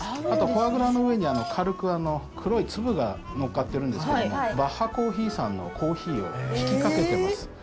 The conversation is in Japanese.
あとフォアグラの上に軽く黒い粒が載っかってるんですけどもバッハコーヒーさんのコーヒをひきかけてます。